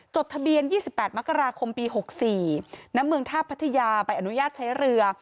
จดทะเบียนยี่สิบแปดมกราคมปีหกสี่น้ำเมืองท่าพัทยาไปอนุญาตใช้เรือ